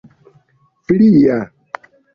plia